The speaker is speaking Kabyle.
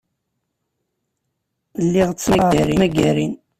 Lliɣ ttaɣeɣ timagarin.